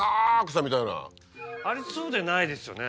ありそうでないですよね。